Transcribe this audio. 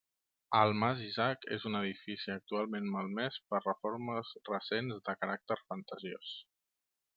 El mas Isaac és un edifici actualment malmès per reformes recents de caràcter fantasiós.